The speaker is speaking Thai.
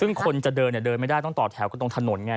ซึ่งคนจะเดินเนี่ยเดินไม่ได้ต้องต่อแถวกันตรงถนนไง